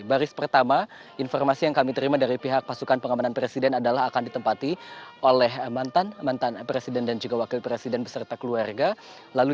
baris pertama informasi yang kami terima dari pihak pasukan pengamanan presiden adalah akan ditempati oleh mantan mantan presiden dan juga wakil presiden beserta keluarga